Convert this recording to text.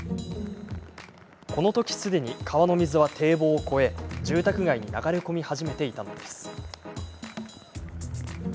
このとき、すでに川の水は堤防を越え住宅街に流れ込み始めていたのです。